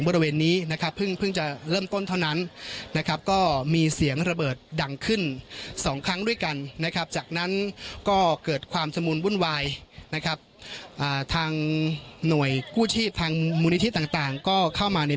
มวลบุ่นวายนะครับอ่าทางหน่วยกู้ชีพทางมูลนิทิศต่างต่างก็เข้ามาใน